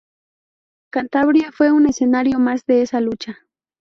Cantabria fue un escenario más de esa lucha.